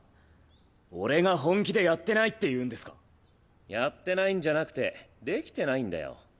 俺が本気でやってないっていうんですやってないんじゃなくてできてないんだよ。